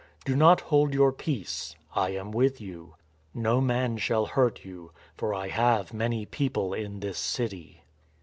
Do not hold your peace. I am with you. No man shall hurt you. For I have many people in this city."